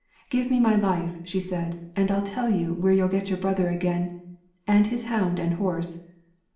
'Give me my life,' she said, 'and 228 I'll tell you where you'll get your brother Dreams again, and his hound and horse.'